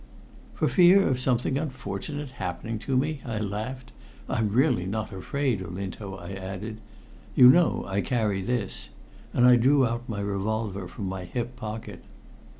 "For fear of something unfortunate happening to me!" I laughed. "I'm really not afraid, Olinto," I added. "You know I carry this," and I drew out my revolver from my hip pocket.